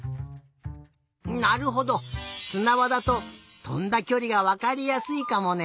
なるほどすなばだととんだきょりがわかりやすいかもね。